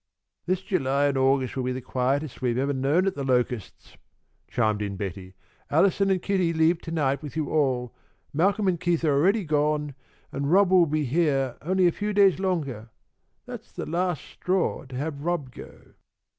"This July and August will be the quietest we have ever known at The Locusts," chimed in Betty. "Allison and Kitty leave to night with you all, Malcolm and Keith are already gone, and Rob will be here only a few days longer. That's the last straw, to have Rob go."